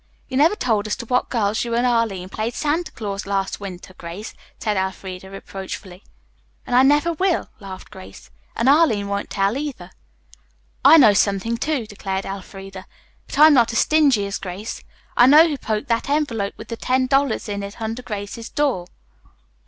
"You never told us to what girls you and Arline played Santa Claus last winter, Grace," said Elfreda reproachfully. "And I never will," laughed Grace, "and Arline won't tell, either." "I know something, too," declared Elfreda, "but I'm not as stingy as Grace. I know who poked that envelope with the ten dollars in it under Grace's door."